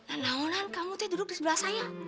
eh nah nah nah kamu teh duduk di sebelah saya